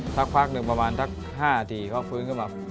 สักพักหนึ่งประมาณสัก๕นาทีเขาฟื้นขึ้นมา